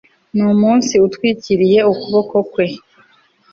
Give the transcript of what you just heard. numunsi utwikiriye ukuboko kwe